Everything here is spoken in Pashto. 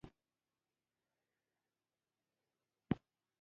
دلته یې چې د پښتو څانګې زده کوونکو ته کومې سپارښتنې کړي دي،